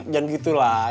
jangan gitu lah